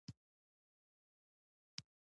په دغه ښار کې ښه درمل جوړول